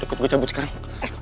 ikut gue cabut sekarang